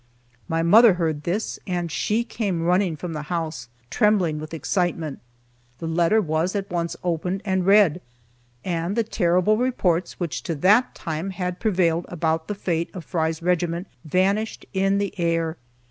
My mother heard this, and she came running from the house, trembling with excitement. The letter was at once opened and read, and the terrible reports which to that time had prevailed about the fate of Fry's regiment vanished in the air.